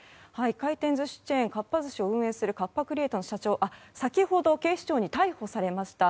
回転寿司チェーンかっぱ寿司を運営するカッパ・クリエイトの社長先ほど警視庁に逮捕されました。